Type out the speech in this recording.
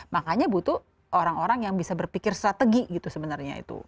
makanya butuh orang orang yang bisa berpikir strategi gitu sebenarnya itu